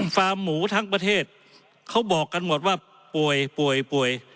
ฟาร์มหมูทั้งประเทศเขาบอกกันหมดว่าป่วยป่วยป่วย